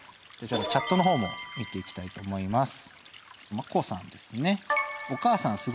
チャットのほうも見ていきたいと思います。